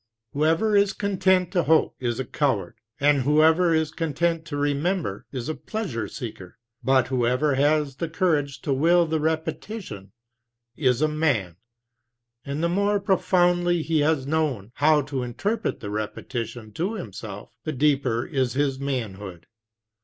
Whoever is content to hope is a coward, and whoever is content to remember is a pleasure seeker; but whoever has the courage to will the repetition is a man, and the more profoundly he has known how to interpret the repetition to himself, the deeper is his manhood.